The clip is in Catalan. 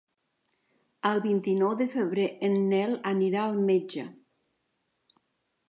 El vint-i-nou de febrer en Nel anirà al metge.